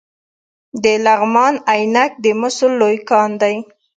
د لغمان عينک د مسو لوی کان دی